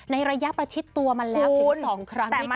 ในระยะประชิดตัวมาแล้วถึง๒ครั้งด้วยกัน